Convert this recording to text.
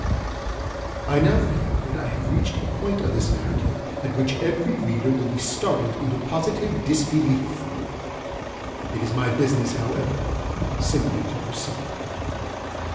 I now feel that I have reached a point of this narrative at which every reader will be startled into positive disbelief. It is my business, however, simply to proceed.